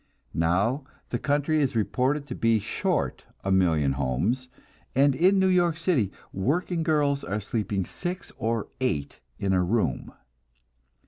Now the country is reported to be short a million homes, and in New York City working girls are sleeping six or eight in a room.